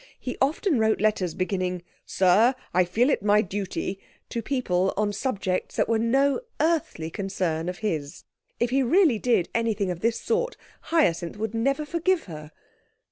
He often wrote letters beginning, 'Sir, I feel it my duty,' to people on subjects that were no earthly concern of his. If he really did anything of this sort, Hyacinth would never forgive her.